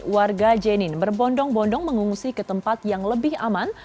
warga jenin berbondong bondong mengungsi ke tempat yang lebih aman